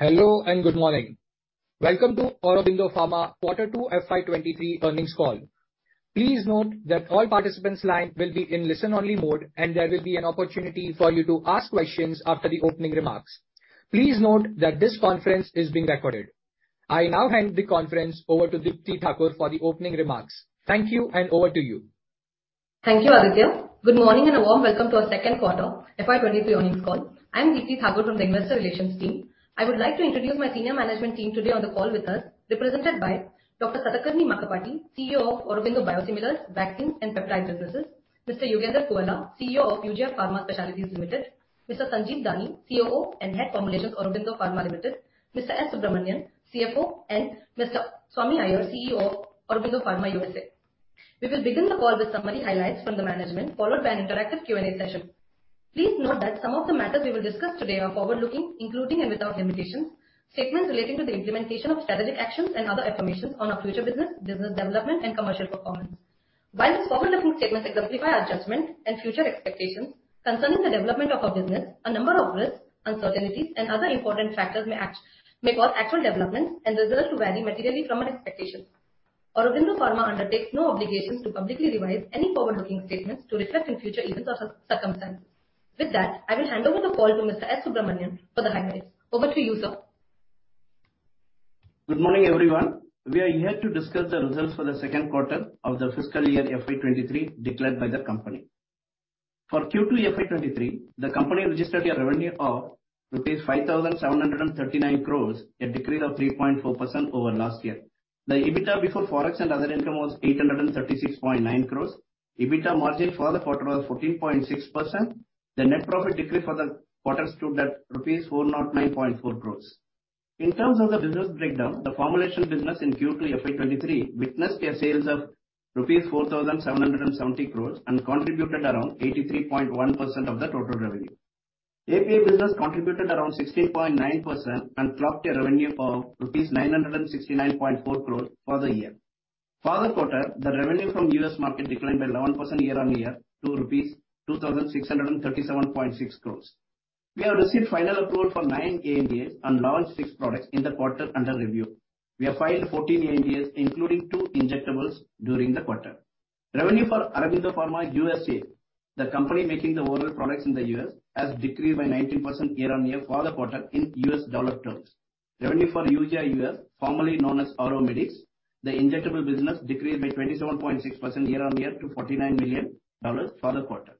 Hello, and good morning. Welcome to Aurobindo Pharma Quarter Two FY 2023 Earnings Call. Please note that all participants line will be in listen-only mode, and there will be an opportunity for you to ask questions after the opening remarks. Please note that this conference is being recorded. I now hand the conference over to Deepti Thakur for the opening remarks. Thank you, and over to you. Thank you, Aditya. Good morning, and a warm welcome to our Second Quarter FY 2023 Earnings Call. I'm Deepti Thakur from the investor relations team. I would like to introduce my senior management team today on the call with us, represented by Dr. Satakarni Makkapati, CEO of Aurobindo Biosimilars, Vaccines and Peptide businesses. Mr. Yugandhar Puvvala, CEO of Eugia Pharma Specialties Limited. Mr. Sanjeev Dani, CEO and Head Formulations, Aurobindo Pharma Limited. Mr. S. Subramanian, CFO, and Mr. Swami Iyer, CEO of Aurobindo Pharma USA. We will begin the call with summary highlights from the management, followed by an interactive Q&A session. Please note that some of the matters we will discuss today are forward-looking, including and without limitations, statements relating to the implementation of strategic actions and other affirmations on our future business development and commercial performance. While these forward-looking statements exemplify our judgment and future expectations concerning the development of our business, a number of risks, uncertainties and other important factors may cause actual developments and results to vary materially from our expectations. Aurobindo Pharma undertakes no obligations to publicly revise any forward-looking statements to reflect future events or circumstances. With that, I will hand over the call to Mr. S. Subramanian for the highlights. Over to you, sir. Good morning, everyone. We are here to discuss the results for the second quarter of the fiscal year FY 2023 declared by the company. For Q2 FY 2023, the company registered a revenue of 5,739 crores, a decrease of 3.4% over last year. The EBITDA before ForEx and other income was 836.9 crores. EBITDA margin for the quarter was 14.6%. The net profit decrease for the quarter stood at rupees 409.4 crores. In terms of the business breakdown, the formulation business in Q2 FY 2023 witnessed a sales of rupees 4,770 crores and contributed around 83.1% of the total revenue. API business contributed around 16.9% and clocked a revenue of INR 969.4 crores for the year. For the quarter, the revenue from U.S. market declined by 11% year-over-year to rupees 2,637.6 crores. We have received final approval for nine ANDAs and launched six products in the quarter under review. We have filed 14 ANDAs, including two injectables during the quarter. Revenue for Aurobindo Pharma USA, the company making the oral products in the U.S., has decreased by 19% year-over-year for the quarter in U.S. dollar terms. Revenue for Eugia US, formerly known as AuroMedics, the injectable business, decreased by 27.6% year-over-year to $49 million for the quarter.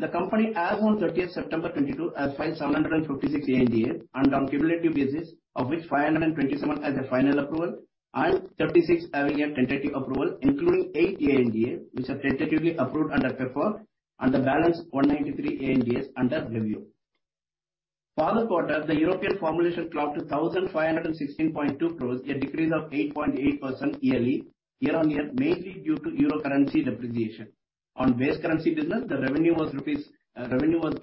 The company as on 30 September 2022 has filed 756 ANDAs on a cumulative basis of which 527 has a final approval and 36 having a tentative approval, including eight ANDAs which are tentatively approved under PEPFAR, and the balance 193 ANDAs under review. For the quarter, the European formulation clocked 1,516.2 crore, a decrease of 8.8% year-on-year, mainly due to euro currency depreciation. On base currency business, the revenue was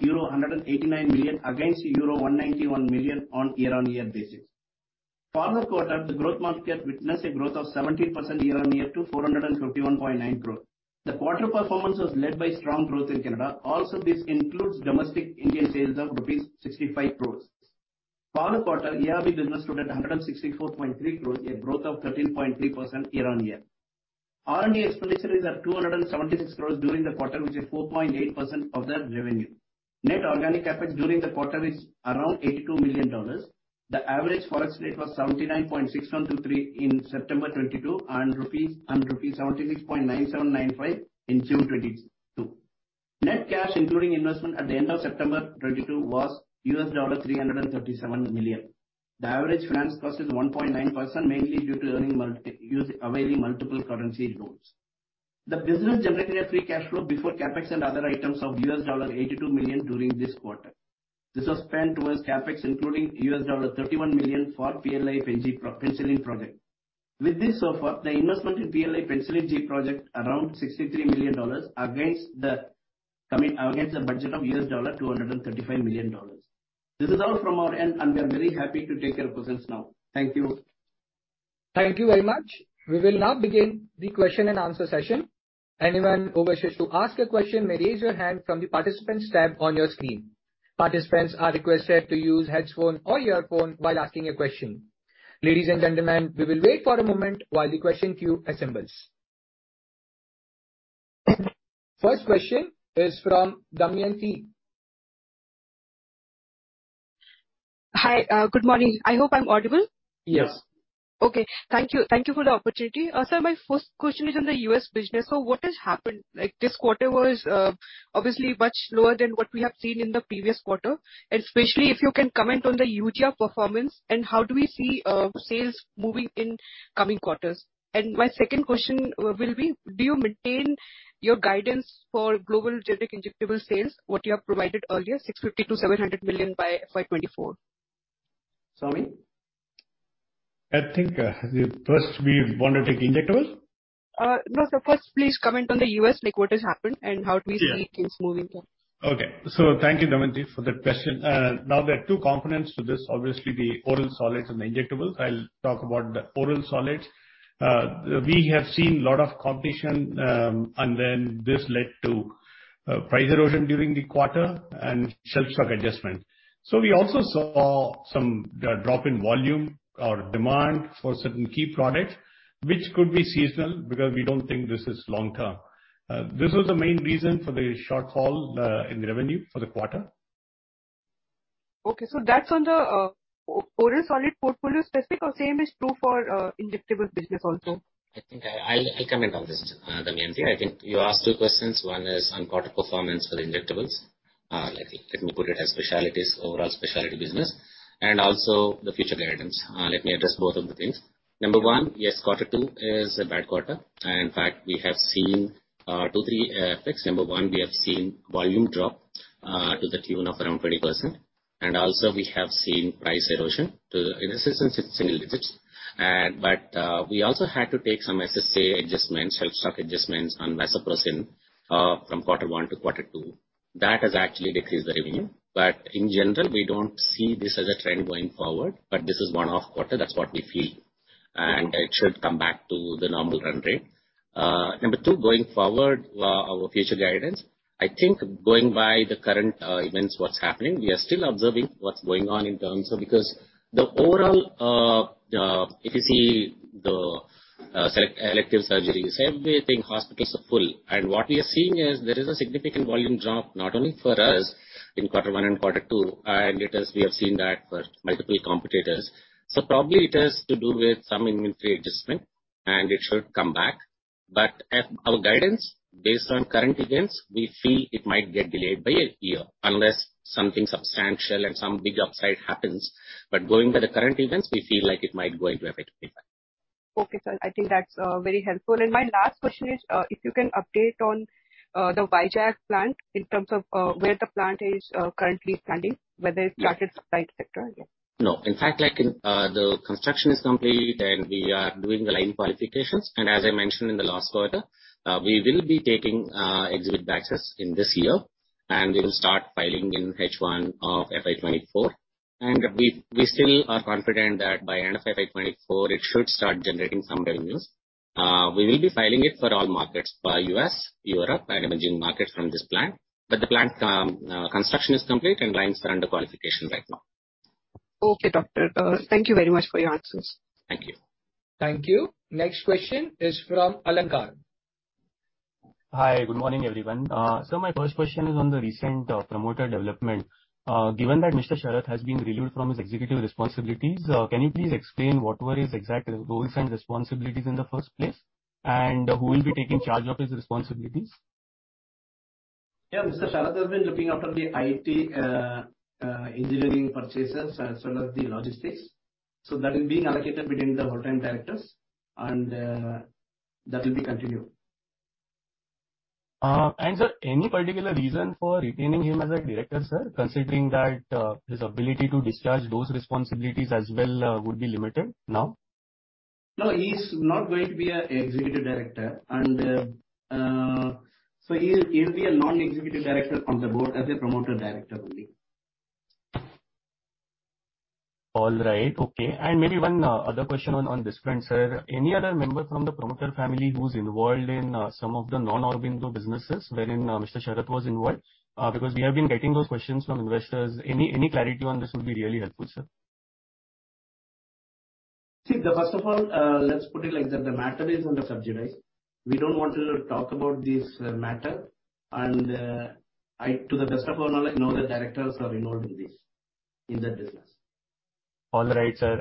euro 189 million against euro 191 million on year-on-year basis. For the quarter, the growth markets witnessed a growth of 17% year-on-year to 431.9 crore. The quarter performance was led by strong growth in Canada. This includes domestic Indian sales of rupees 65 crores. For the quarter, ARV business stood at 164.3 crores, a growth of 13.3% year-on-year. R&D expenditures are 276 crores during the quarter, which is 4.8% of the revenue. Net organic CapEx during the quarter is around $82 million. The average ForEx rate was 79.6123 rupees in September 2022 and 76.9795 rupees in June 2022. Net cash including investment at the end of September 2022 was $337 million. The average finance cost is 1.9%, mainly due to us availing multiple currency loans. The business generated a free cash flow before CapEx and other items of $82 million during this quarter. This was spent towards CapEx, including $31 million for PLI Pen G, Penicillin G project. With this so far, the investment in PLI Penicillin G project around $63 million against the budget of $235 million. This is all from our end, and we are very happy to take your questions now. Thank you. Thank you very much. We will now begin the question and answer session. Anyone who wishes to ask a question may raise your hand from the Participants tab on your screen. Participants are requested to use headphone or earphone while asking a question. Ladies and gentlemen, we will wait for a moment while the question queue assembles. First question is from Damayanti. Hi, good morning. I hope I'm audible. Yes. Okay. Thank you. Thank you for the opportunity. Sir, my first question is on the U.S. business. What has happened? Like, this quarter was obviously much lower than what we have seen in the previous quarter. Especially if you can comment on the Eugia performance, and how do we see sales moving in coming quarters? My second question will be, do you maintain your guidance for global generic injectable sales, what you have provided earlier, $650 million-$700 million by FY 2024? Swami? I think, the first we want to take injectables? No. First please comment on the U.S., like what has happened and how do we see? Yeah. Things moving there. Okay. Thank you, Damayanti, for that question. Now there are two components to this. Obviously, the oral solids and the injectables. I'll talk about the oral solids. We have seen a lot of competition, and then this led to price erosion during the quarter and shelf stock adjustment. We also saw some drop in volume or demand for certain key products, which could be seasonal because we don't think this is long term. This was the main reason for the shortfall in the revenue for the quarter. Okay. That's on the oral solid portfolio specific or same is true for injectable business also? I think I'll comment on this, Damayanti. I think you asked two questions. One is on quarter performance for injectables, like, let me put it as specialties, overall specialty business, and also the future guidance. Let me address both of the things. Number one, yes, quarter two is a bad quarter. In fact, we have seen two, three effects. Number one, we have seen volume drop to the tune of around 20%. Also we have seen price erosion. In essence, it's single digits. We also had to take some SSA adjustments, shelf stock adjustments on vasopressin from quarter one to quarter two. That has actually decreased the revenue. In general, we don't see this as a trend going forward, but this is one-off quarter. That's what we feel. It should come back to the normal run rate. Number two, going forward, our future guidance. I think going by the current events, what's happening, we are still observing what's going on in terms of, because the overall, if you see the elective surgeries, everything, hospitals are full. What we are seeing is there is a significant volume drop, not only for us in quarter one and quarter two, and it is we have seen that for multiple competitors. Probably it has to do with some inventory adjustment, and it should come back. At our guidance, based on current events, we feel it might get delayed by a year unless something substantial and some big upside happens. Going by the current events, we feel like it might go into a bit later. Okay, sir. I think that's very helpful. My last question is, if you can update on the Vizag Plant in terms of where the plant is currently standing, whether it's tracked its right trajectory. Yeah. No. In fact, like, the construction is complete and we are doing the line qualifications. As I mentioned in the last quarter, we will be taking exhibit batches in this year, and we will start filing in H1 of FY 2024. We still are confident that by end of FY 2024, it should start generating some revenues. We will be filing it for all markets, US, Europe and emerging markets from this plant. The plant construction is complete and lines are under qualification right now. Okay, doctor. Thank you very much for your answers. Thank you. Thank you. Next question is from Alankar. Hi. Good morning, everyone. My first question is on the recent promoter development. Given that Mr. Sarath has been relieved from his executive responsibilities, can you please explain what were his exact roles and responsibilities in the first place, and who will be taking charge of his responsibilities? Mr. Sarath has been looking after the IT, engineering purchases as well as the logistics. That is being allocated between the whole-time directors and that will be continued. sir, any particular reason for retaining him as a director, sir, considering that, his ability to discharge those responsibilities as well, would be limited now? No, he's not going to be an executive director, and so he'll be a non-executive director on the board as a promoter director only. All right. Okay. Maybe one other question on this front, sir. Any other member from the promoter family who's involved in some of the non-Aurobindo businesses wherein Mr. Sarath was involved? Because we have been getting those questions from investors. Any clarity on this would be really helpful, sir. See, first of all, let's put it like that, the matter is under sub judice. We don't want to talk about this matter. I, to the best of our knowledge, no other directors are involved in this, in that business. All right, sir.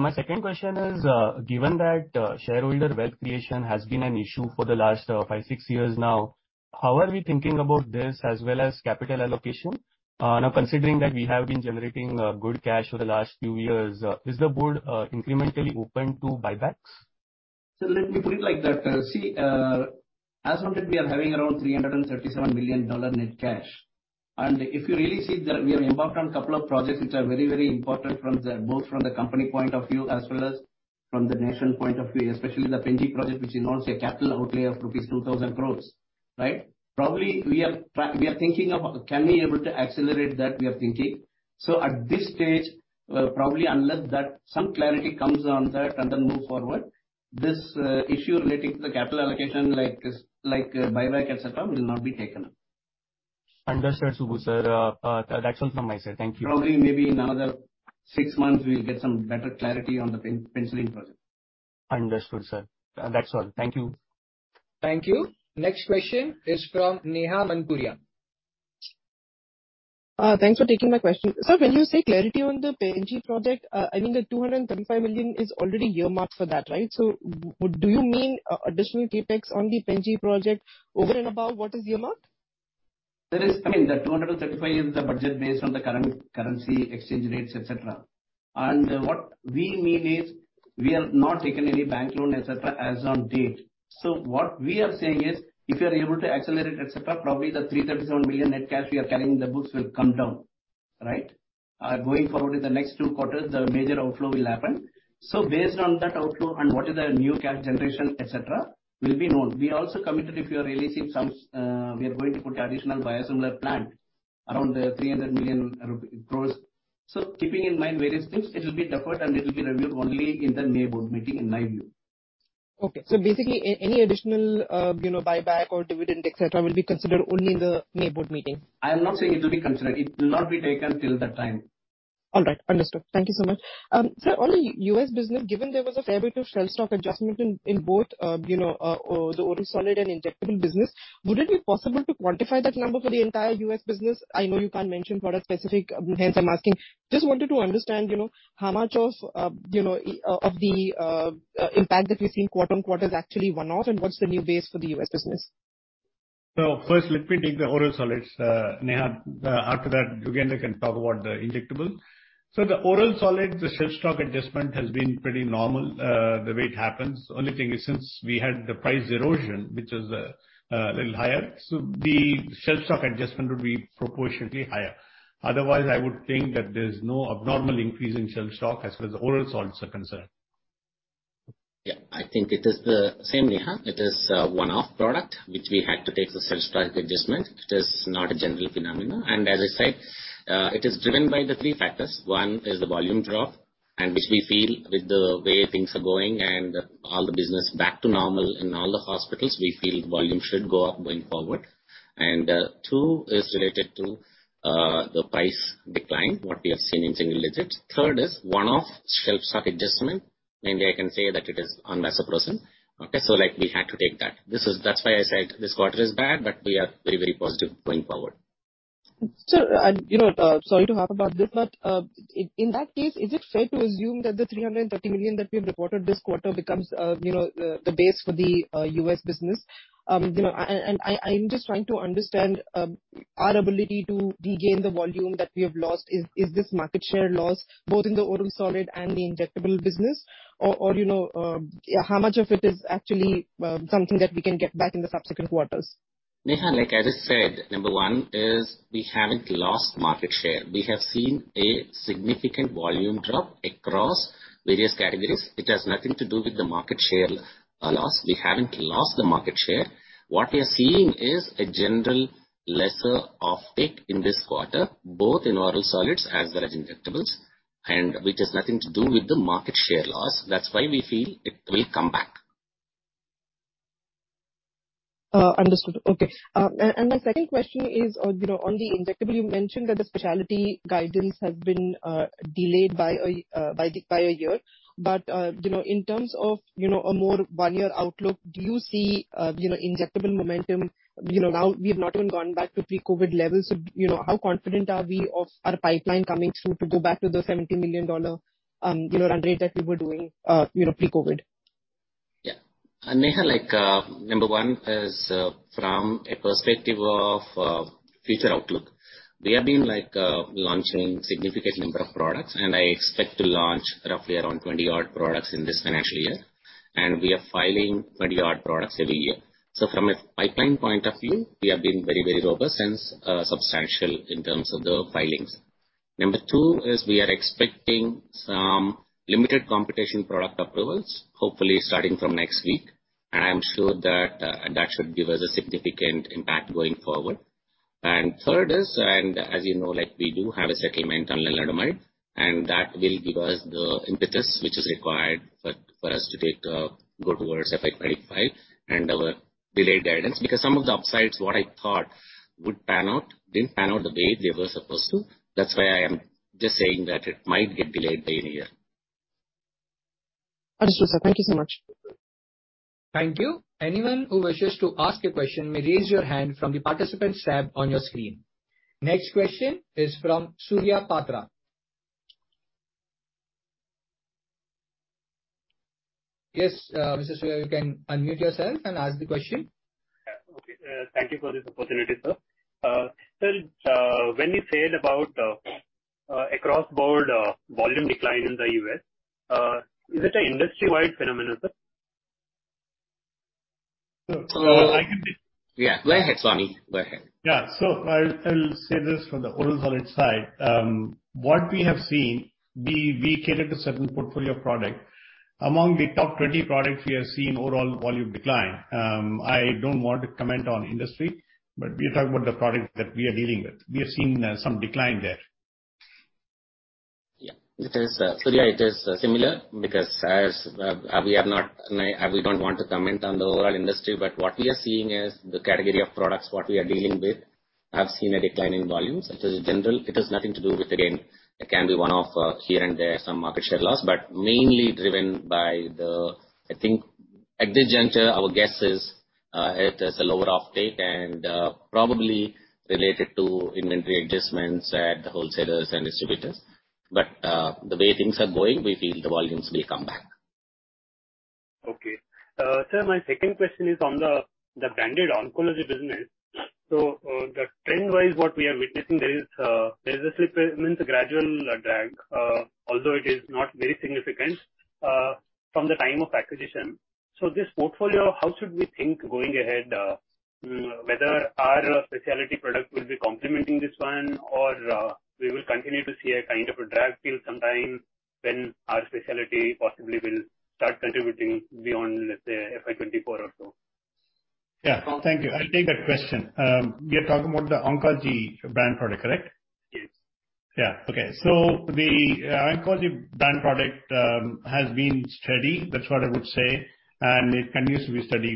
My second question is, given that, shareholder wealth creation has been an issue for the last, five, six years now, how are we thinking about this as well as capital allocation? Now considering that we have been generating, good cash over the last few years, is the board, incrementally open to buybacks? Let me put it like that, as of that we are having around $337 million net cash. If you really see the we have embarked on couple of projects which are very, very important from both from the company point of view as well as from the nation point of view, especially the Pen G project, which involves a capital outlay of rupees 2,000 crores, right? Probably we are thinking of can we able to accelerate that, we are thinking. At this stage, probably unless that some clarity comes on that and then move forward, this issue relating to the capital allocation like this, like, buyback et cetera, will not be taken up. Understood, Subbu, sir. That's all from my side. Thank you. Probably maybe in another six months we'll get some better clarity on the Pen G project. Understood, sir. That's all. Thank you. Thank you. Next question is from Neha Manpuria. Thanks for taking my question. Sir, when you say clarity on the Pen G project, I mean the 235 million is already earmarked for that, right? Do you mean additional CapEx on the Pen G project over and above what is earmarked? There is, I mean, the 235 is the budget based on the current currency exchange rates, et cetera. What we mean is we have not taken any bank loan, et cetera, as on date. What we are saying is if you are able to accelerate et cetera, probably the 337 million net cash we are carrying in the books will come down. Right, going forward in the next two quarters, the major outflow will happen. Based on that outflow and what is our new cash generation, et cetera, will be known. We also committed if you're releasing some, we are going to put additional Biosimilar Plant around 300 million rupees rupees-crores. Keeping in mind various things, it'll be deferred, and it'll be reviewed only in the May board meeting in my view. Basically any additional, you know, buyback or dividend et cetera, will be considered only in the May board meeting. I am not saying it will be considered. It will not be taken till that time. All right. Understood. Thank you so much. Sir, on the U.S. business, given there was a fair bit of shelf stock adjustment in both the oral solid and injectable business, would it be possible to quantify that number for the entire US business? I know you can't mention product-specific, hence I'm asking. Just wanted to understand, you know, how much of the impact that we've seen quarter-on-quarter is actually one-off and what's the new base for the U.S. business. First let me take the oral solids, Neha. After that, Yugandhar Puvvala they can talk about the injectable. The oral solid, the shelf stock adjustment has been pretty normal, the way it happens. Only thing is, since we had the price erosion, which is little higher, the shelf stock adjustment would be proportionately higher. Otherwise, I would think that there's no abnormal increase in shelf stock as far as the oral solids are concerned. Yeah. I think it is the same, Neha. It is one-off product which we had to take the shelf stock adjustment. It is not a general phenomenon. I said it is driven by the three factors. One is the volume drop, and which we feel with the way things are going and all the business back to normal in all the hospitals, we feel volume should go up going forward. Two is related to the price decline, what we have seen in single digits. Third is one-off shelf stock adjustment, mainly I can say that it is on Vasopressin. Okay, so like we had to take that. That's why I said this quarter is bad, but we are very, very positive going forward. Sorry to harp about this, but in that case, is it fair to assume that the $330 million that we have reported this quarter becomes, you know, the base for the U.S. business? You know, and I'm just trying to understand our ability to regain the volume that we have lost. Is this market share loss both in the oral solid and the injectable business or you know, how much of it is actually something that we can get back in the subsequent quarters? Neha, like I just said, number one is we haven't lost market share. We have seen a significant volume drop across various categories. It has nothing to do with the market share loss. We haven't lost the market share. What we are seeing is a general lesser offtake in this quarter, both in oral solids as well as injectables, and which has nothing to do with the market share loss. That's why we feel it will come back. Understood. Okay. My second question is on, you know, on the injectable. You mentioned that the specialty guidance has been delayed by a year. You know, in terms of, you know, a more one-year outlook, do you see, you know, injectable momentum? You know, now we've not even gone back to pre-COVID levels. You know, how confident are we of our pipeline coming through to go back to the $70 million run rate that we were doing, you know, pre-COVID? Yeah. Neha, like, number one is from a perspective of future outlook, we have been like launching significant number of products, and I expect to launch roughly around 20 products in this financial year, and we are filing 20 products every year. So from a pipeline point of view, we have been very, very robust and substantial in terms of the filings. Number two is we are expecting some limited competition product approvals, hopefully starting from next week. I'm sure that that should give us a significant impact going forward. Third is, as you know, like we do have a settlement on Lenalidomide, and that will give us the impetus which is required for us to take go towards FY 2025 and our delayed guidance. Because some of the upsides, what I thought would pan out, didn't pan out the way they were supposed to. That's why I am just saying that it might get delayed by a year. Understood, sir. Thank you so much. Thank you. Anyone who wishes to ask a question may raise your hand from the Participants tab on your screen. Next question is from Surya Patra. Yes, Mr. Surya, you can unmute yourself and ask the question. Yeah. Okay. Thank you for this opportunity, sir. Sir, when you said about across-the-board volume decline in the U.S., is it a industry-wide phenomenon, sir? So- Yeah, go ahead, Swami. Go ahead. Yeah. I'll say this from the oral solids side. What we have seen, we cater to certain portfolio product. Among the top 20 products we are seeing overall volume decline. I don't want to comment on industry, but we are talking about the product that we are dealing with. We are seeing some decline there. Yeah. It is, Surya, it is similar because, as we are not, we don't want to comment on the overall industry, but what we are seeing is the category of products, what we are dealing with, have seen a decline in volumes. It is general. It has nothing to do with, again, it can be one-off here and there, some market share loss, but mainly driven by the, I think at this juncture, our guess is, it is a lower offtake and, probably related to inventory adjustments at the wholesalers and distributors. The way things are going, we feel the volumes will come back. Okay. Sir, my second question is on the branded Oncology business. The trend-wise, what we are witnessing there is, there's a slight, I mean, gradual drag, although it is not very significant, from the time of acquisition. This portfolio, how should we think going ahead, whether our specialty product will be complementing this one or we will continue to see a kind of a drag till sometime when our specialty possibly will start contributing beyond, let's say, FY 2024 or so. Yeah. Thank you. I'll take that question. We are talking about the Oncology brand product, correct? Yes. The Oncology brand product has been steady. That's what I would say, and it continues to be steady.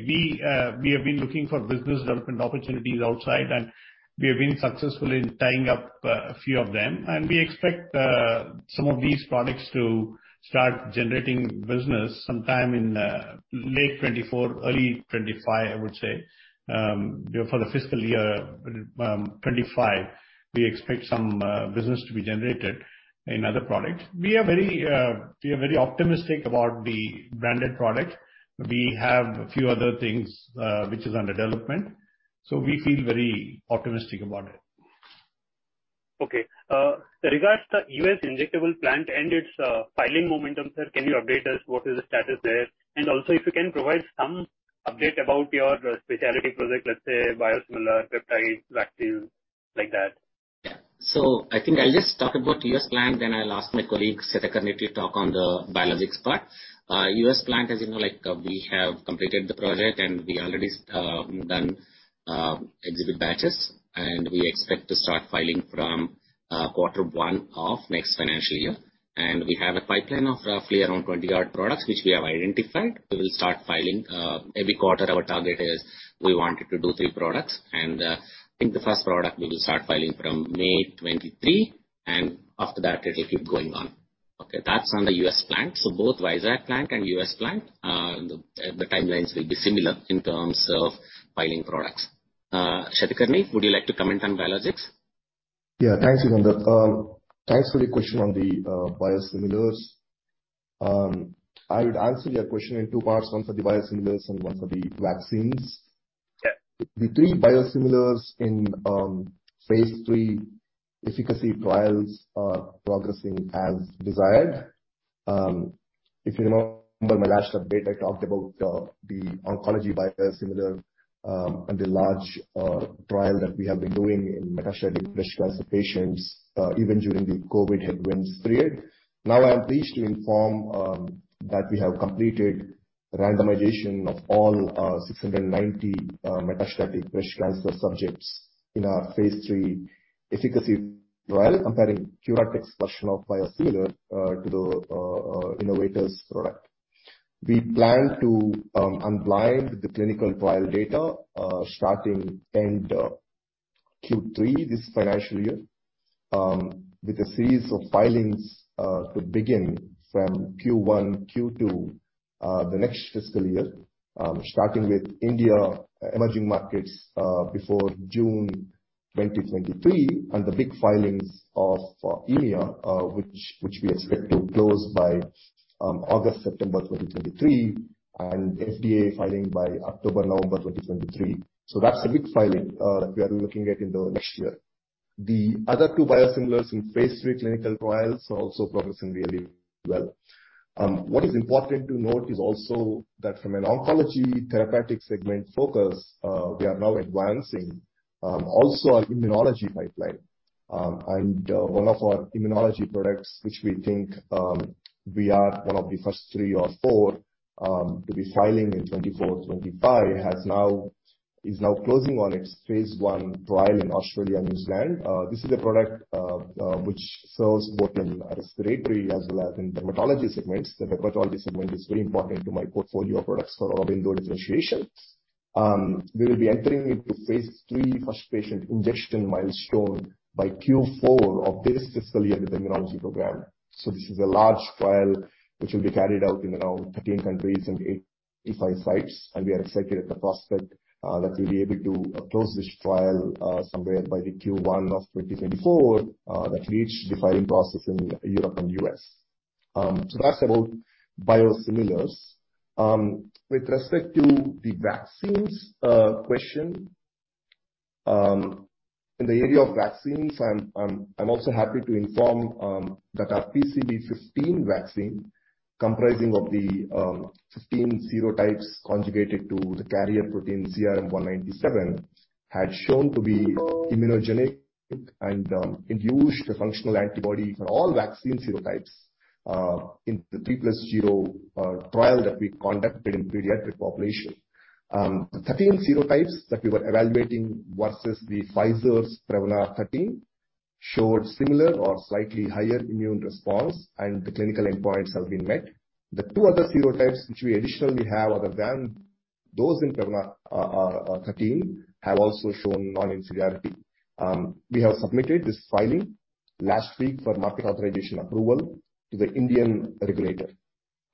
We have been looking for business development opportunities outside, and we have been successful in tying up a few of them. We expect some of these products to start generating business sometime in late 2024, early 2025, I would say. For the fiscal year 2025, we expect some business to be generated in other products. We are very optimistic about the branded product. We have a few other things which is under development, so we feel very optimistic about it. Okay. With regards to US injectable plant and its filing momentum, sir, can you update us what is the status there? Also if you can provide some update about your specialty product, let's say biosimilar, peptide, vaccines, like that. Yeah. I think I'll just talk about U.S. plant, then I'll ask my colleague, Satakarni Makkapati, to talk on the biologics part. U.S. plant, as you know, like, we have completed the project and we already done exhibit batches, and we expect to start filing from quarter one of next financial year. We have a pipeline of roughly around 20 odd products which we have identified. We will start filing every quarter. Our target is we wanted to do three products. I think the first product we will start filing from May 2023, and after that it will keep going on. Okay, that's on the U.S. plant. Both Vizag Plant and U.S. plant the timelines will be similar in terms of filing products. Satakarni Makkapati, would you like to comment on biologics? Thanks, Yugandhar Puvvala. Thanks for the question on the biosimilars. I would answer your question in two parts, one for the biosimilars and one for the vaccines. Yeah. The three biosimilars in phase III efficacy trials are progressing as desired. If you remember my last update, I talked about the Oncology biosimilar and the large trial that we have been doing in metastatic breast cancer patients even during the COVID headwinds period. Now I am pleased to inform that we have completed randomization of all 690 metastatic breast cancer subjects in our phase III efficacy trial, comparing therapeutic version of biosimilar to the innovator's product. We plan to unblind the clinical trial data starting end of Q3 this financial year with a series of filings to begin from Q1, Q2 the next fiscal year starting with India emerging markets before June 2023, and the big filings of EMEA which we expect to close by August, September 2023, and FDA filing by October, November 2023. That's the big filing that we are looking at in the next year. The other two biosimilars in phase III clinical trials are also progressing really well. What is important to note is also that from an Oncology therapeutic segment focus, we are now advancing also our immunology pipeline. One of our immunology products, which we think we are one of the first three or four to be filing in 2024, 2025, is now closing on its phase I trial in Australia and New Zealand. This is a product which serves both in respiratory as well as in dermatology segments. The dermatology segment is very important to my portfolio of products for revenue differentiation. We will be entering into phase III first patient ingestion milestone by Q4 of this fiscal year with immunology program. This is a large trial which will be carried out in around 13 countries and 85 sites. We are excited at the prospect that we'll be able to close this trial somewhere by Q1 of 2024, that hits the filing process in Europe and U.S. That's about biosimilars. With respect to the vaccines question, in the area of vaccines, I'm also happy to inform that our PCV15 vaccine comprising of the 15 serotypes conjugated to the carrier protein CRM197 had shown to be immunogenic and induced a functional antibody for all vaccine serotypes in the 3+0 trial that we conducted in pediatric population. The 13 serotypes that we were evaluating versus the Pfizer's Prevnar 13 showed similar or slightly higher immune response and the clinical endpoints have been met. The two other serotypes which we additionally have other than those in Prevnar 13 have also shown non-inferiority. We have submitted this filing last week for market authorization approval to the Indian regulator.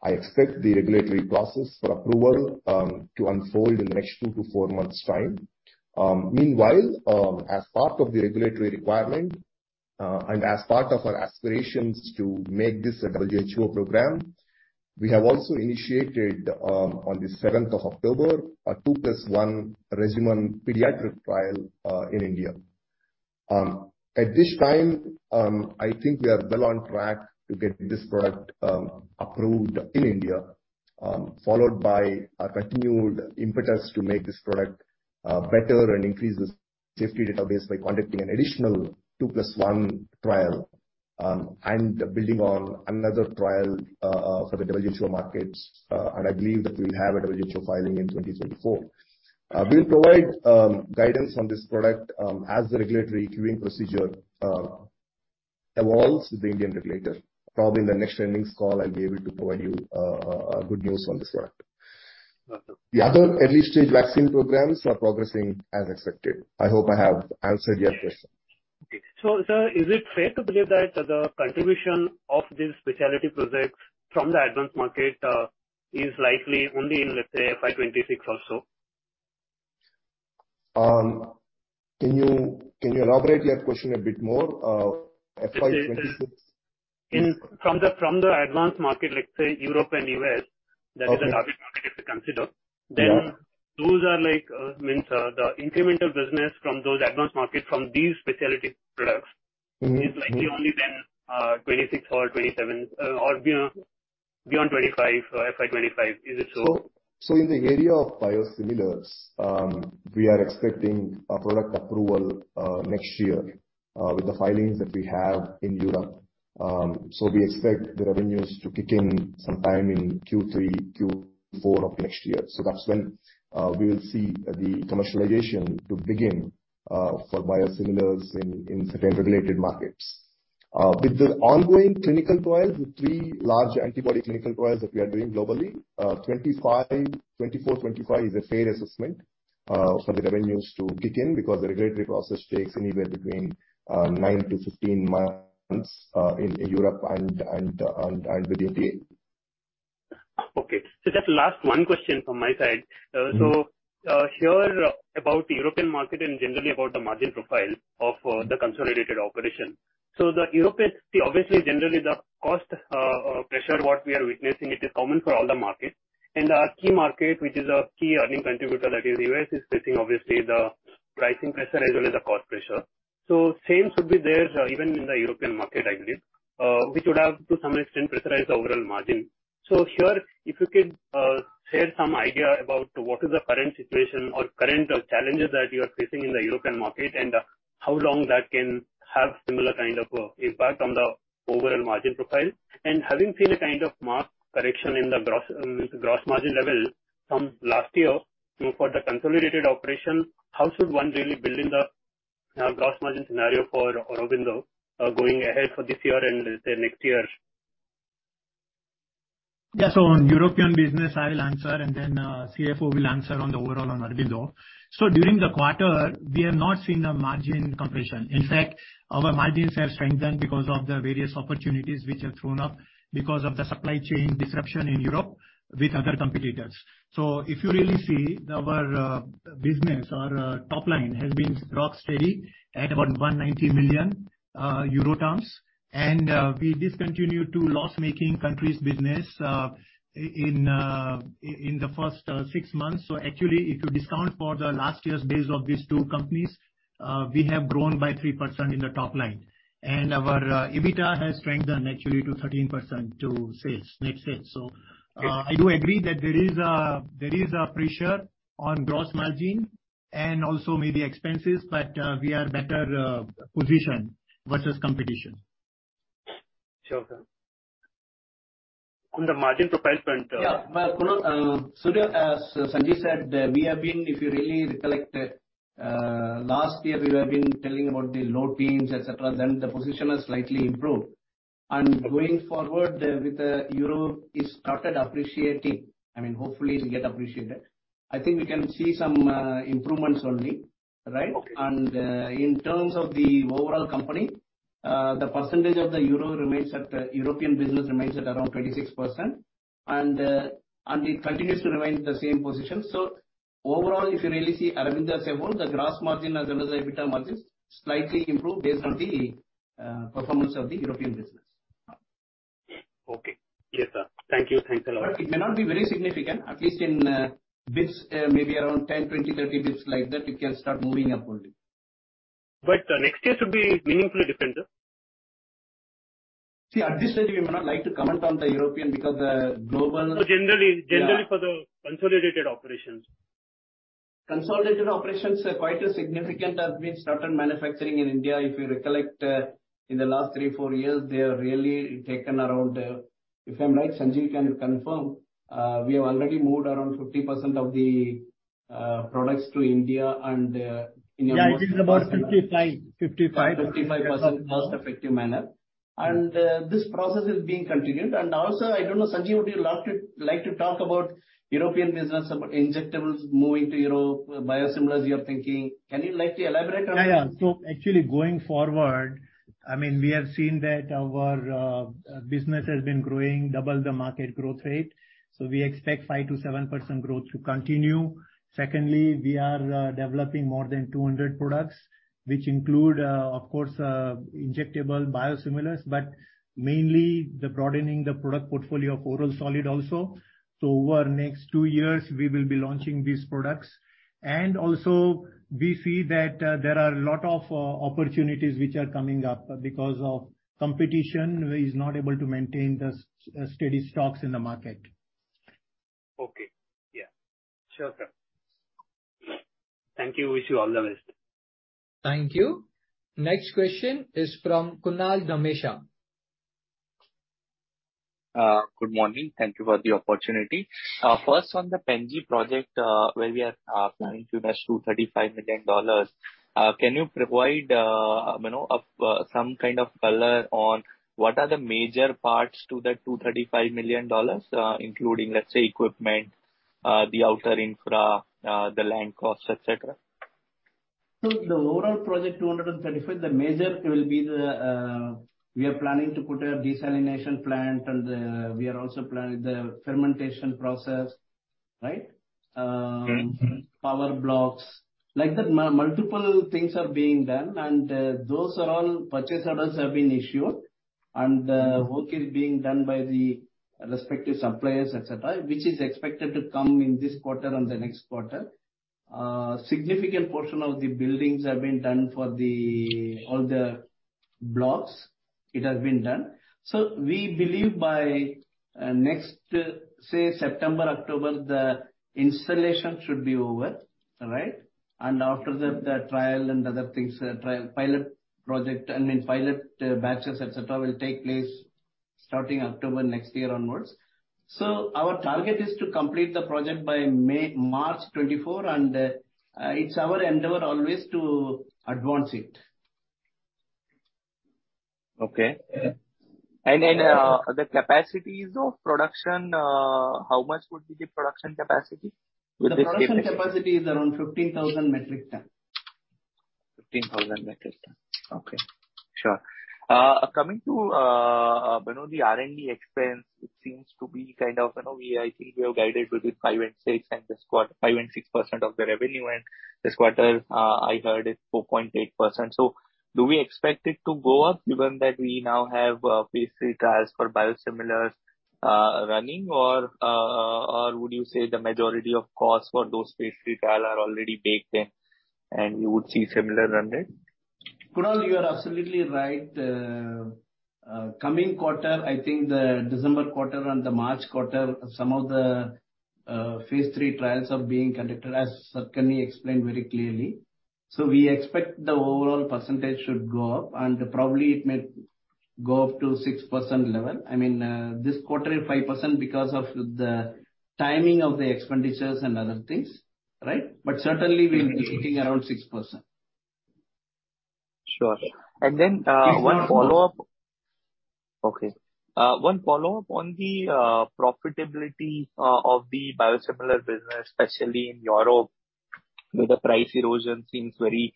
I expect the regulatory process for approval to unfold in the next two to four months' time. Meanwhile, as part of the regulatory requirement and as part of our aspirations to make this a WHO program, we have also initiated on the 7th October a 2+1 regimen pediatric trial in India. At this time, I think we are well on track to get this product approved in India, followed by our continued impetus to make this product better and increase the safety database by conducting an additional 2+1 trial and building on another trial for the WHO markets. I believe that we'll have a WHO filing in 2024. We'll provide guidance on this product as the regulatory queuing procedure evolves with the Indian regulator. Probably in the next earnings call I'll be able to provide you good news on this product. Okay. The other early-stage vaccine programs are progressing as expected. I hope I have answered your question. Sir, is it fair to believe that the contribution of these specialty projects from the advanced market is likely only in, let's say, FY 2026 or so? Can you elaborate your question a bit more? FY 26- From the advanced market, let's say Europe and U.S. Okay. That is a large market if you consider. Yeah. Those are the incremental business from those advanced markets from these specialty products... Mm-hmm. ..is likely only then, 2026 or 2027, or beyond 2025, FY 2025. Is it so? In the area of biosimilars, we are expecting a product approval next year with the filings that we have in Europe. We expect the revenues to kick in sometime in Q3, Q4 of next year. That's when we will see the commercialization to begin for biosimilars in certain regulated markets. With the ongoing clinical trials, the three large antibody clinical trials that we are doing globally, 2025, 2024/2025 is a fair assessment for the revenues to kick in because the regulatory process takes anywhere between 9-15 months in Europe and the UK. Okay. Just last one question from my side. Mm-hmm. I want to hear about the European market and generally about the margin profile of the consolidated operation. The European, obviously, generally the cost pressure what we are witnessing, it is common for all the markets. In our key market, which is our key earning contributor, that is U.S., is facing obviously the pricing pressure as well as the cost pressure. Same should be there even in the European market, I believe, which would have to some extent pressurize the overall margin. Here, if you could share some idea about what is the current situation or current challenges that you are facing in the European market, and how long that can have similar kind of impact on the overall margin profile. Having seen a kind of margin correction in the gross margin level from last year for the consolidated operation, how should one really build in the gross margin scenario for Aurobindo going ahead for this year and, let's say, next year? Yeah. On European business, I will answer and then CFO will answer on the overall on Aurobindo. During the quarter, we have not seen a margin compression. In fact, our margins have strengthened because of the various opportunities which have thrown up because of the supply chain disruption in Europe with other competitors. If you really see our business, our top line has been rock steady at about 190 million euro. We discontinued two loss-making countries' business in the first six months. Actually, if you discount for the last year's base of these two companies, we have grown by 3% in the top line. Our EBITDA has strengthened actually to 13% of net sales. I do agree that there is a pressure on gross margin and also maybe expenses, but we are better positioned versus competition. Sure, sir. On the margin profile front, Yeah. Well, Kunal, Surya, as Sanjeev said, we have been, if you really recollect, last year we were telling about the low teens, et cetera, then the position has slightly improved. Going forward with the euro, it started appreciating. I mean, hopefully it'll get appreciated. I think we can see some improvements only, right. Okay. In terms of the overall company, European business remains at around 26%, and it continues to remain the same position. Overall, if you really see Aurobindo as a whole, the gross margin as well as the EBITDA margins slightly improve based on the performance of the European business. Okay. Yes, sir. Thank you. Thanks a lot. It may not be very significant, at least in basis points, maybe around 10, 20, 30 basis points like that it can start moving up only. Next year should be meaningfully different? See, at this stage we may not like to comment on the European because the global. Generally. Yeah. Generally for the consolidated operations. Consolidated operations are quite significant as we've started manufacturing in India. If you recollect, in the last three, four years, they have really taken around, if I'm right, Sanjeev, can you confirm, we have already moved around 50% of the products to India and in a more cost-effective. Yeah, it is about 55. 55. 55% cost-effective manner. This process is being continued. I don't know, Sanjeev, would you like to talk about European business, about injectables moving to Europe, biosimilars you are thinking? Can you like to elaborate on that? Yeah, yeah. Actually going forward, I mean, we have seen that our business has been growing double the market growth rate. We expect 5%-7% growth to continue. Secondly, we are developing more than 200 products, which include, of course, injectable biosimilars, but mainly the broadening the product portfolio of oral solid also. Over next 2 years, we will be launching these products. Also we see that there are a lot of opportunities which are coming up because of competition is not able to maintain the steady stocks in the market. Okay. Yeah. Sure, sir. Thank you. Wish you all the best. Thank you. Next question is from Kunal Manpuria. Good morning. Thank you for the opportunity. First on the Pen G project, where we are planning to invest $235 million. Can you provide, you know, some kind of color on what are the major parts to that $235 million, including, let's say, equipment, the other infra, the land cost, et cetera. The overall project, 235, the major will be the, we are planning to put a desalination plant and, we are also planning the fermentation process, right? Mm-hmm. Power blocks. Like that multiple things are being done. Those are all purchase orders have been issued and the work is being done by the respective suppliers, et cetera, which is expected to come in this quarter and the next quarter. Significant portion of the buildings have been done for all the blocks. It has been done. We believe by next, say September, October, the installation should be over, right? After the trial and other things, I mean pilot batches, et cetera, will take place starting October next year onwards. Our target is to complete the project by March 2024 and it's our endeavor always to advance it. The capacities of production, how much would be the production capacity with this capacity? The production capacity is around 15,000 metric tons. 15,000 metric tons. Okay, sure. Coming to, you know, the R&D expense, it seems to be kind of, you know, I think we have guided between 5% and 6% of the revenue, and this quarter I heard it's 4.8%. Do we expect it to go up given that we now have phase III trials for biosimilars running or would you say the majority of costs for those phase III trials are already baked in and we would see similar run rate? Kunal, you are absolutely right. Coming quarter, I think the December quarter and the March quarter, some of the phase III trials are being conducted as Satakarni Makkapati explained very clearly. We expect the overall percentage should go up and probably it may go up to 6% level. I mean, this quarter is 5% because of the timing of the expenditures and other things, right? Certainly we'll be sitting around 6%. Sure. One follow-up on the profitability of the biosimilar business, especially in Europe, where the price erosion seems very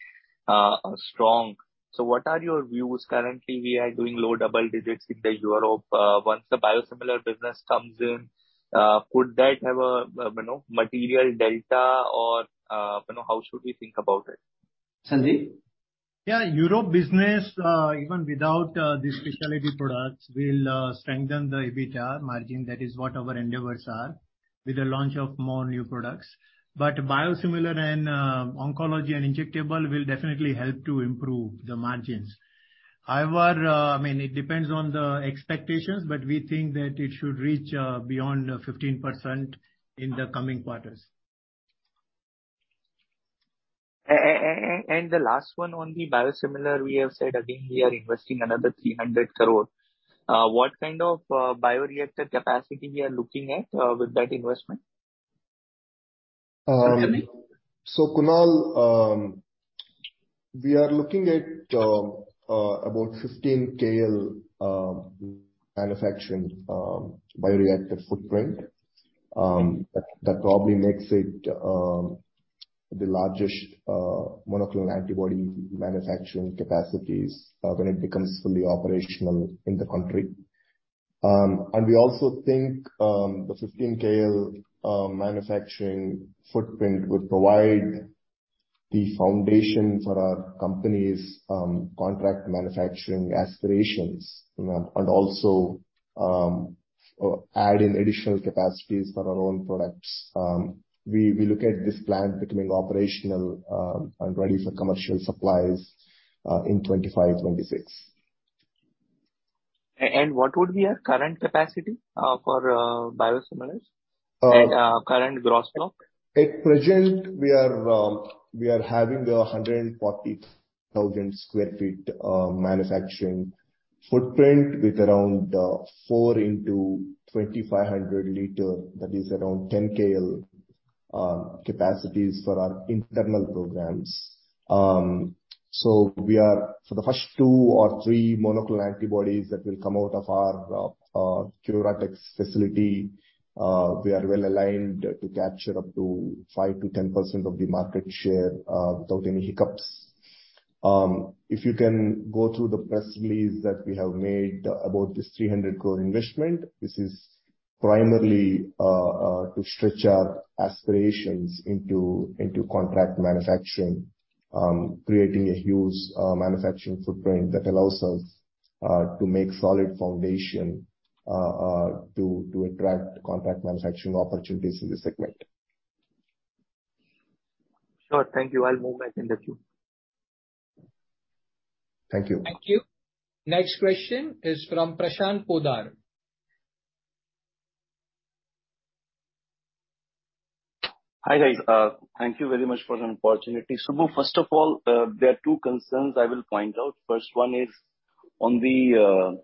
strong. What are your views? Currently we are doing low double digits in Europe, once the biosimilar business comes in, could that have a, you know, material delta or, you know, how should we think about it? Sandeep? Yeah, Europe business, even without the specialty products, will strengthen the EBITDA margin. That is what our endeavors are with the launch of more new products. Biosimilar and Oncology and injectable will definitely help to improve the margins. However, I mean, it depends on the expectations, but we think that it should reach beyond 15% in the coming quarters. The last one on the biosimilar, we have said again, we are investing another 300 crore. What kind of bioreactor capacity we are looking at with that investment? Um- Sandeep. Kunal, we are looking at about 15 KL manufacturing bioreactor footprint. That probably makes it the largest monoclonal antibody manufacturing capacities when it becomes fully operational in the country. We also think the 15 KL manufacturing footprint would provide the foundation for our company's contract manufacturing aspirations, you know, and also add in additional capacities for our own products. We look at this plant becoming operational and ready for commercial supplies in 2025-2026. What would be our current capacity for biosimilars? Uh- Current gross block. At present we are having 140,000 sq. ft. manufacturing footprint with around 4 x 2,500-liter capacities for our internal programs, that is around 10 KL capacities for our internal programs. We are for the first two or three monoclonal antibodies that will come out of our CuraTeQ facility well aligned to capture up to 5%-10% of the market share without any hiccups. If you can go through the press release that we have made about this 300 crore investment, this is primarily to stretch our aspirations into contract manufacturing, creating a huge manufacturing footprint that allows us to make solid foundation to attract contract manufacturing opportunities in this segment. Sure. Thank you. I'll move back in the queue. Thank you. Thank you. Next question is from Prashant Poddar. Hi, guys. Thank you very much for the opportunity. Subbu, first of all, there are two concerns I will point out. First one is on the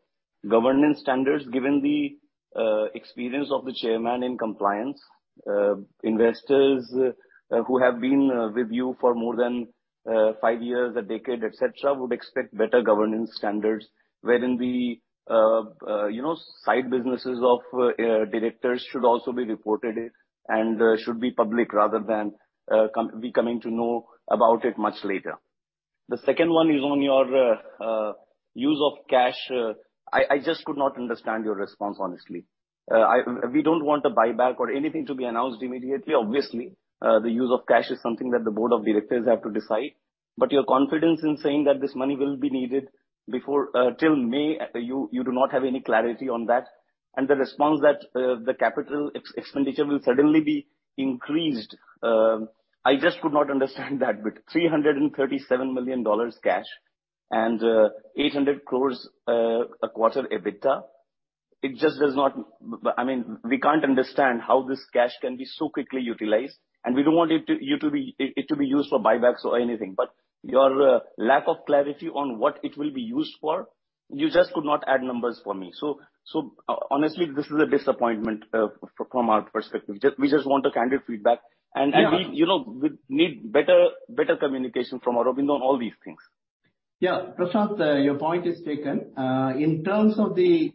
governance standards, given the experience of the chairman in compliance. Investors who have been with you for more than five years, a decade, et cetera, would expect better governance standards wherein the you know, side businesses of directors should also be reported and should be public rather than coming to know about it much later. The second one is on your use of cash. I just could not understand your response, honestly. We don't want a buyback or anything to be announced immediately. Obviously, the use of cash is something that the board of directors have to decide. Your confidence in saying that this money will be needed before till May, you do not have any clarity on that. The response that the capital expenditure will suddenly be increased, I just could not understand that with $337 million cash and 800 crore, a quarter EBITDA. It just does not. I mean, we can't understand how this cash can be so quickly utilized, and we don't want it to be used for buybacks or anything. Your lack of clarity on what it will be used for, you just could not add numbers for me. So honestly, this is a disappointment from our perspective. We just want a candid feedback and we Yeah. You know, we need better communication from Aurobindo on all these things. Prashant, your point is taken. In terms of the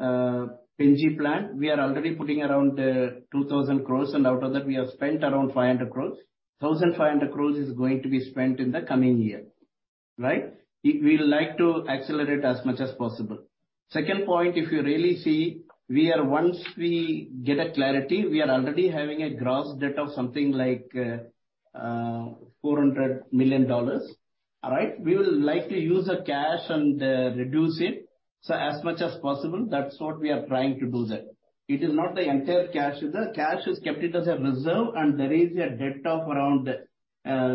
Pen G plant, we are already putting around 2,000 crores, and out of that we have spent around 500 crores. 1,500 crores is going to be spent in the coming year, right? We'd like to accelerate as much as possible. Second point, if you really see, we are once we get a clarity, we are already having a gross debt of something like $400 million. All right? We will likely use the cash and reduce it, so as much as possible, that's what we are trying to do there. It is not the entire cash. The cash is kept as a reserve, and there is a debt of around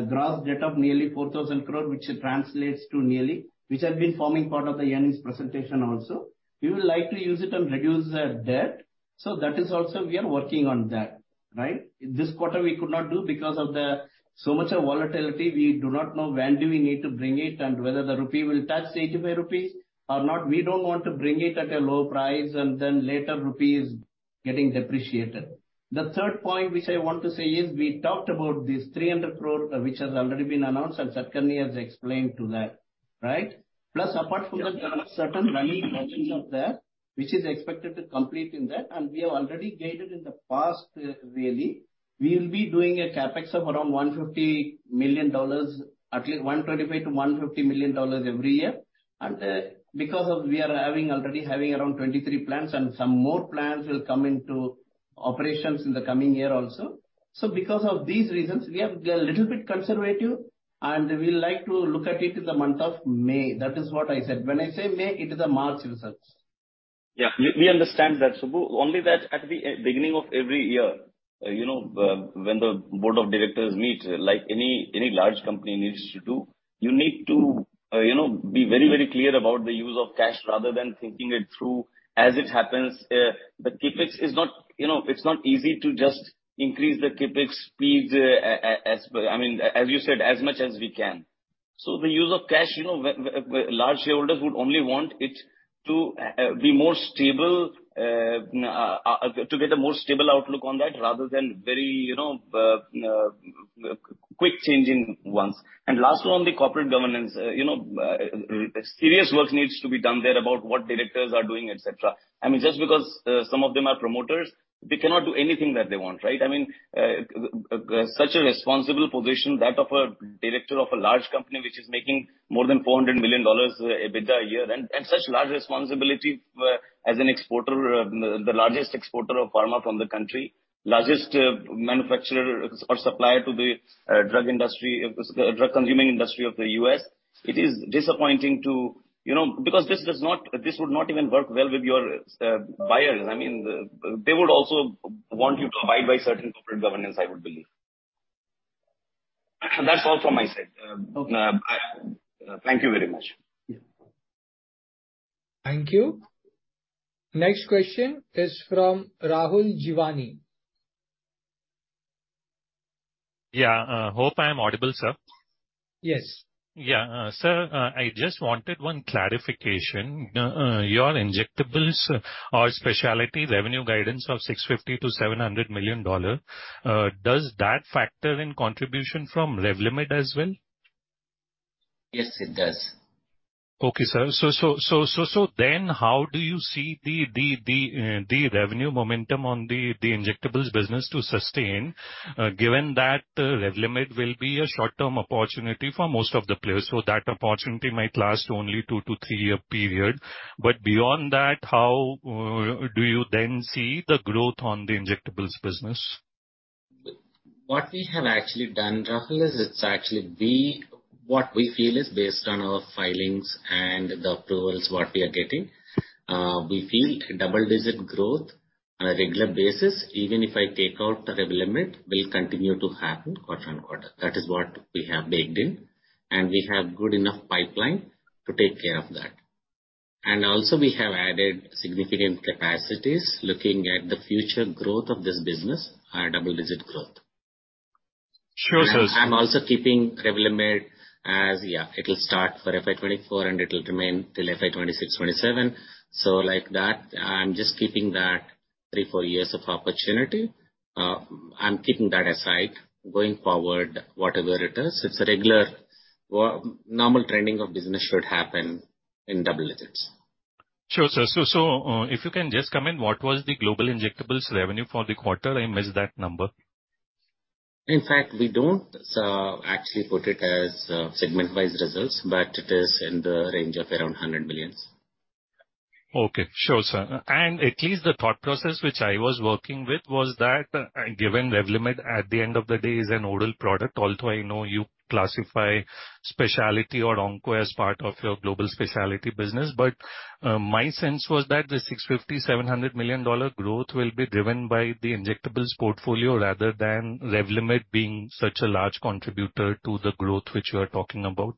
gross debt of nearly 4,000 crore, which translates to nearly which has been forming part of the earnings presentation also. We will likely use it and reduce the debt, so that is also we are working on that, right? This quarter we could not do because of so much volatility, we do not know when we need to bring it and whether the rupee will touch 85 rupees or not. We don't want to bring it at a low price and then later rupee is getting depreciated. The third point which I want to say is we talked about this 300 crore which has already been announced and Satakarni has explained to that, right? Plus apart from that. Yes. There are certain running projects out there which is expected to complete in that, and we have already guided in the past really. We will be doing a CapEx of around $150 million, at least $125-$150 million every year. Because we are already having around 23 plants and some more plants will come into operations in the coming year also. Because of these reasons, we have been a little bit conservative, and we like to look at it in the month of May. That is what I said. When I say May, it is the March results. Yeah, we understand that, Subbu. Only that at the beginning of every year, you know, when the board of directors meets, like any large company needs to do, you need to, you know, be very clear about the use of cash rather than thinking it through as it happens. The CapEx is not, you know, it's not easy to just increase the CapEx speeds as, I mean, as much as we can. So the use of cash, you know, with large shareholders would only want it to be more stable to get a more stable outlook on that rather than very, you know, quick changing ones. Lastly, on the corporate governance, you know, serious work needs to be done there about what directors are doing, et cetera. I mean, just because some of them are promoters, they cannot do anything that they want, right? I mean, such a responsible position, that of a director of a large company which is making more than $400 million EBITDA a year and such large responsibility, as an exporter, the largest exporter of pharma from the country, largest manufacturer or supplier to the drug consuming industry of the U.S., it is disappointing to. You know, because this does not, this would not even work well with your buyers. I mean, they would also want you to abide by certain corporate governance, I would believe. That's all from my side. Okay. Bye. Thank you very much. Yeah. Thank you. Next question is from Rahul Jeewani. Yeah. Hope I'm audible, sir. Yes. Yeah. Sir, I just wanted one clarification. Your injectables or specialty revenue guidance of $650 million-$700 million does that factor in contribution from Revlimid as well? Yes, it does. Okay, sir. How do you see the revenue momentum on the injectables business to sustain, given that Revlimid will be a short-term opportunity for most of the players, so that opportunity might last only 2-3-year period, but beyond that, how do you then see the growth on the injectables business? What we have actually done, Rahul, is what we feel is based on our filings and the approvals, what we are getting, we feel double-digit growth on a regular basis, even if I take out the Revlimid, will continue to happen quarter on quarter. That is what we have baked in, and we have good enough pipeline to take care of that. We have added significant capacities looking at the future growth of this business, our double-digit growth. Sure, sir. I'm also keeping Revlimid as yeah, it'll start for FY 2024 and it will remain till FY 2026, 27. Like that, I'm just keeping that 3-4 years of opportunity. I'm keeping that aside going forward, whatever it is. It's a regular or normal trending of business should happen in double digits. Sure, sir. If you can just comment, what was the global injectables revenue for the quarter? I missed that number. In fact, we don't actually put it as segment-wise results, but it is in the range of around 100 million. Okay. Sure, sir. At least the thought process which I was working with was that given Revlimid at the end of the day is an oral product, although I know you classify specialty or onco as part of your global specialty business. My sense was that the $650 million-$700 million growth will be driven by the injectables portfolio rather than Revlimid being such a large contributor to the growth which you are talking about.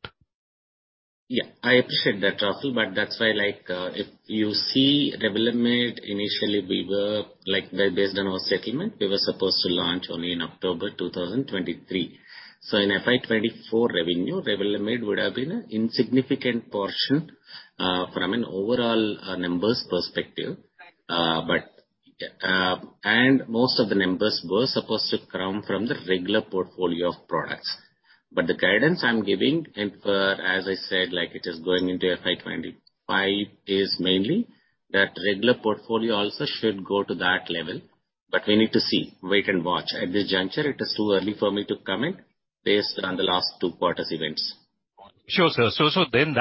Yeah, I appreciate that, Rahul, but that's why, like, if you see Revlimid, initially we were like, well, based on our settlement, we were supposed to launch only in October 2023. In FY 2024 revenue, Revlimid would have been an insignificant portion from an overall numbers perspective. Most of the numbers were supposed to come from the regular portfolio of products. The guidance I'm giving, and as I said, like it is going into FY 2025, is mainly that regular portfolio also should go to that level. We need to see, wait and watch. At this juncture, it is too early for me to comment based on the last two quarters events. Sure, sir.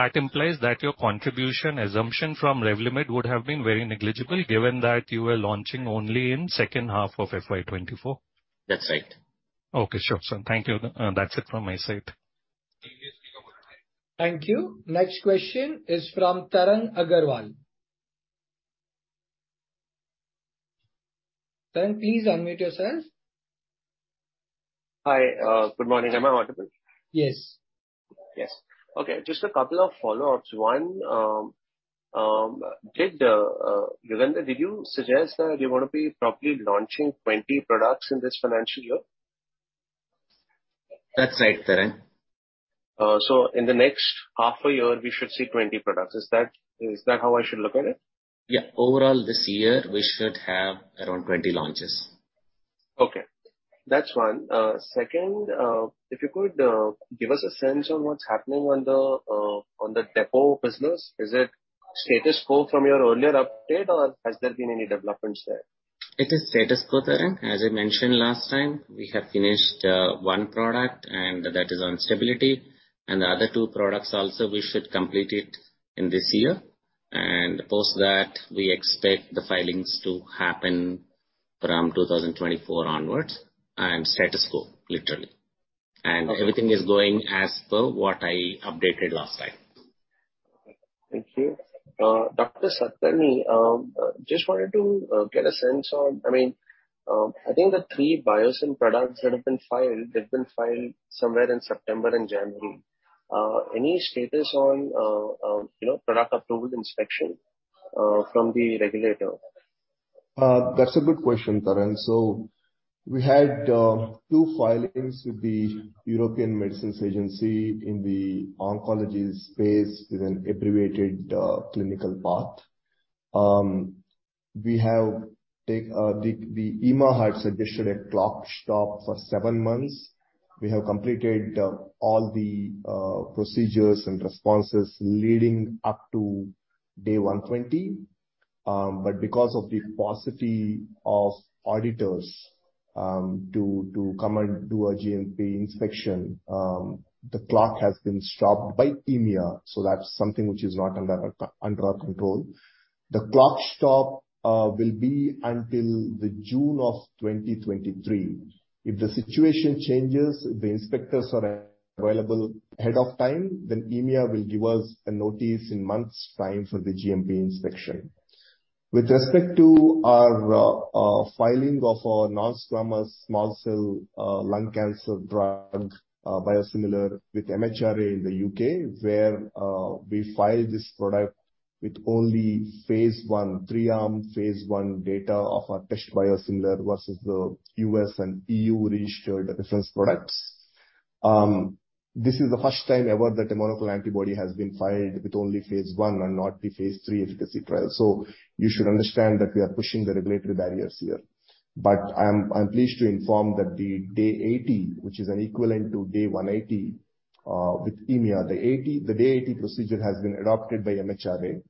That implies that your contribution assumption from Revlimid would have been very negligible given that you were launching only in second half of FY 2024. That's right. Okay, sure, sir. Thank you. That's it from my side. Thank you. Next question is from Tarang Agrawal. Tarang, please unmute yourself. Hi. Good morning. Am I audible? Yes. Yes. Okay. Just a couple of follow-ups. One, Yugandhar Puvvala, did you suggest that you wanna be probably launching 20 products in this financial year? That's right, Tarang. In the next half a year we should see 20 products. Is that, is that how I should look at it? Yeah. Overall this year, we should have around 20 launches. Okay. That's one. Second, if you could give us a sense on what's happening on the Depot business. Is it status quo from your earlier update or has there been any developments there? It is status quo, Tarang. As I mentioned last time, we have finished one product and that is on stability, and the other two products also we should complete it in this year. Post that, we expect the filings to happen from 2024 onwards and status quo literally. Okay. Everything is going as per what I updated last time. Okay. Thank you. Dr. Satakarni, just wanted to get a sense on, I mean, I think the three Biosimilar products that have been filed, they've been filed somewhere in September and January. Any status on, you know, product approval inspection from the regulator? That's a good question, Tarang. We had two filings with the European Medicines Agency in the Oncology space with an abbreviated clinical path. The EMA had suggested a clock stop for seven months. We have completed all the procedures and responses leading up to day 120. But because of the paucity of auditors to come and do a GMP inspection, the clock has been stopped by EMA, so that's something which is not under our control. The clock stop will be until June 2023. If the situation changes, if the inspectors are available ahead of time, then EMA will give us a notice in months' time for the GMP inspection. With respect to our filing of our non-small cell lung cancer drug biosimilar with MHRA in the UK, where we file this product with only phase I, three-arm phase I data of our test biosimilar versus the U.S. and EU-registered reference products. This is the first time ever that a monoclonal antibody has been filed with only phase I and not the phase III efficacy trial. You should understand that we are pushing the regulatory barriers here. I'm pleased to inform that the day 80, which is an equivalent to day 180 with EMA, the day 80 procedure has been adopted by MHRA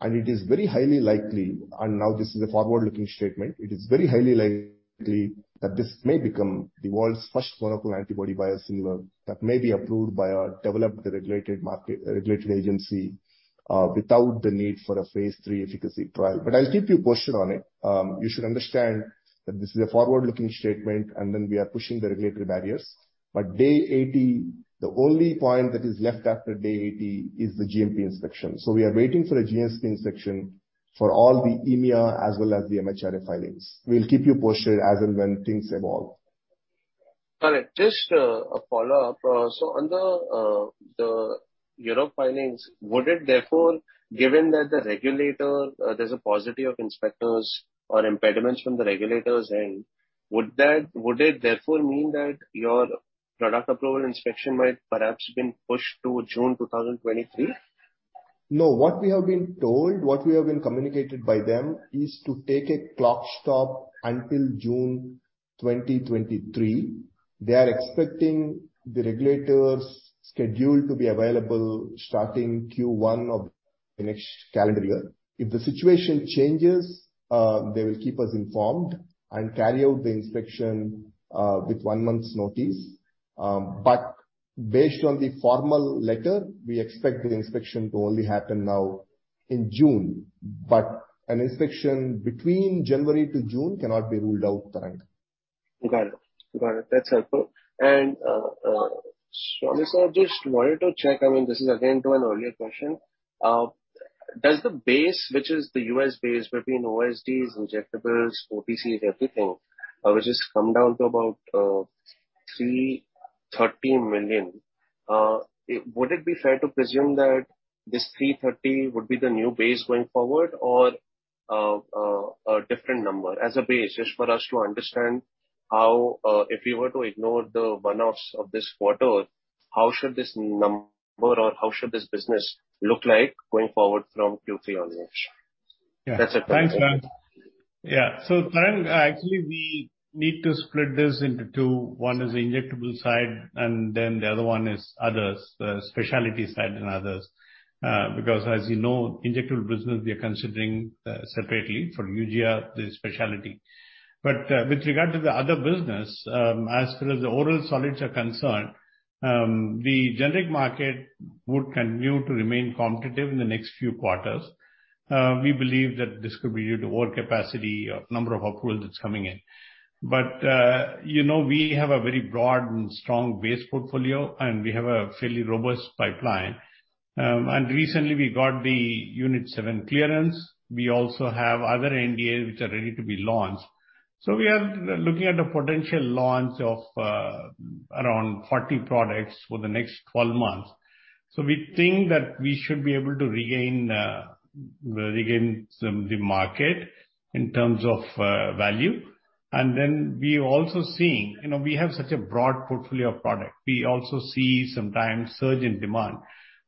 and it is very highly likely, and now this is a forward-looking statement. It is very highly likely that this may become the world's first Monoclonal Antibody Biosimilar that may be approved by a developed regulated market, regulatory agency, without the need for a phase III efficacy trial. I'll keep you posted on it. You should understand that this is a forward-looking statement, and then we are pushing the regulatory barriers. Day 80, the only point that is left after day 80 is the GMP inspection. We are waiting for a GMP inspection for all the EMA as well as the MHRA filings. We'll keep you posted as and when things evolve. Correct. Just a follow-up. So on the Europe filings, would it therefore, given that the regulator, there's positives or inspections or impediments from the regulator's end, would that, would it therefore mean that your product approval inspection might perhaps been pushed to June 2023? No. What we have been told, what we have been communicated by them, is to take a clock stop until June 2023. They are expecting the regulators schedule to be available starting Q1 of the next calendar year. If the situation changes, they will keep us informed and carry out the inspection with one month's notice. Based on the formal letter, we expect the inspection to only happen now in June. An inspection between January to June cannot be ruled out, Tarang. Got it. That's helpful. Swami sir, just wanted to check, I mean this is again to an earlier question. Does the base, which is the U.S. base between OSDs, injectables, OTC, everything, which has come down to about $313 million, would it be fair to presume that this $330 would be the new base going forward or a different number? As a base, just for us to understand how, if we were to ignore the one-offs of this quarter, how should this number or how should this business look like going forward from Q3 onwards? Yeah. That's it. Thank you. Thanks, Tarang. Tarang, actually we need to split this into two. One is the injectable side and then the other one is others, specialty side and others. Because as you know, injectable business we are considering separately for Eugia, the specialty. With regard to the other business, as far as the oral solids are concerned, the generic market would continue to remain competitive in the next few quarters. We believe that this could be due to overcapacity or number of approvals that's coming in. You know, we have a very broad and strong base portfolio, and we have a fairly robust pipeline. Recently we got the Unit 7 clearance. We also have other NDA which are ready to be launched. We are looking at a potential launch of around 40 products for the next 12 months. We think that we should be able to regain some the market in terms of value. Then we also seeing. You know, we have such a broad portfolio of product. We also see sometimes surge in demand.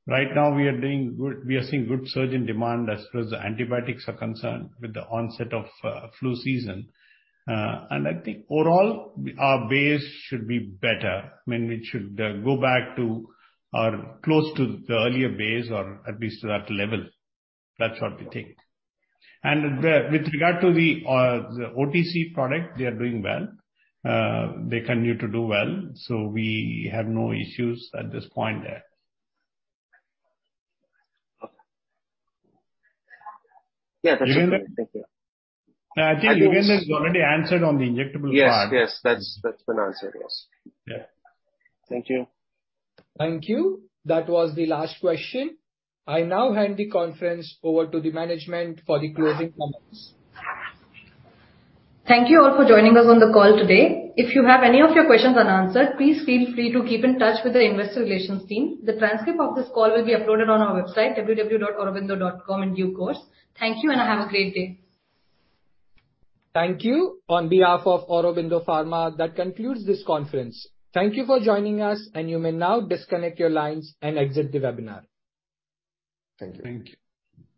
Right now we are doing good. We are seeing good surge in demand as far as the antibiotics are concerned with the onset of flu season. I think overall our base should be better. I mean, we should go back to or close to the earlier base or at least to that level. That's what we think. With regard to the OTC product, they are doing well. They continue to do well. We have no issues at this point there. Okay. Yeah, that's it. Thank you. I think Yugandhar Puvvala has already answered on the injectable part. Yes, yes. That's been answered. Yes. Yeah. Thank you. Thank you. That was the last question. I now hand the conference over to the management for the closing comments. Thank you all for joining us on the call today. If you have any of your questions unanswered, please feel free to keep in touch with the investor relations team. The transcript of this call will be uploaded on our website www.aurobindo.com in due course. Thank you, and have a great day. Thank you. On behalf of Aurobindo Pharma, that concludes this conference. Thank you for joining us, and you may now disconnect your lines and exit the webinar. Thank you.